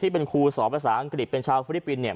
เป็นครูสอนภาษาอังกฤษเป็นชาวฟิลิปปินส์เนี่ย